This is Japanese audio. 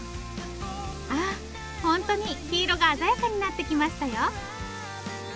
あホントに黄色が鮮やかになってきましたよ。